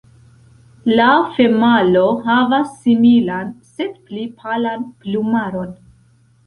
La femalo havas similan, sed pli palan plumaron.